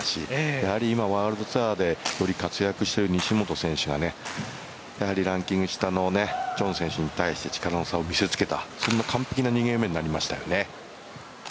やはりワールドツアーでより活躍している西本選手がランキング下のチョン選手に対して力の差を見せつけたそんな完璧な２ゲーム目になりましたよね。